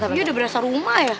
tapi udah berasa rumah ya